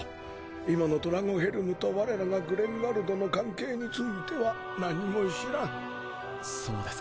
今のドラゴヘルムとわれらがグレンガルドの関係については何も知らんそうです